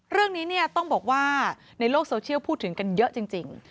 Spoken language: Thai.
เรื่องนี้เนี่ยต้องบอกว่าในโลกโซเชียลพูดถึงกันเยอะจริง